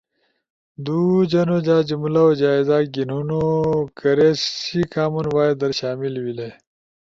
دُو جنو جا جملوؤ جائزہ گھینونو کیرے سی کامن وائس در شامل ویلے۔